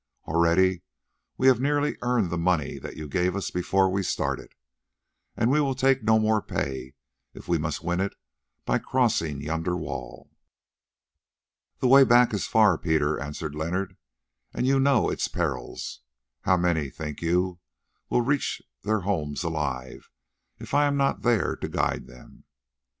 Already we have nearly earned the money that you gave to us before we started, and we will take no more pay if we must win it by crossing yonder wall." "The way back is far, Peter," answered Leonard, "and you know its perils. How many, think you, will reach their homes alive if I am not there to guide them?